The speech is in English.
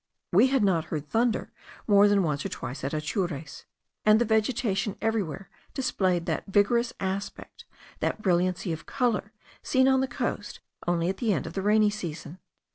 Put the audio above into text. We had not heard thunder more than once or twice at Atures, and the vegetation everywhere displayed that vigorous aspect, that brilliancy of colour, seen on the coast only at the end of the rainy season.